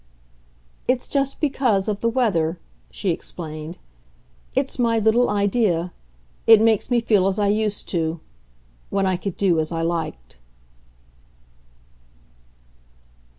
"It's just because of the weather," she explained. "It's my little idea. It makes me feel as I used to when I could do as I liked."